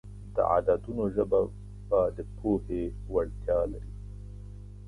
د عددونو ژبه د پوهې وړتیا لري.